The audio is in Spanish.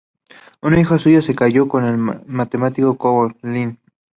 Una hija suya se casó con el matemático Courant.